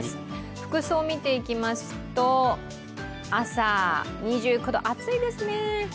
服装を見ていきますと朝、２９度、暑いですね。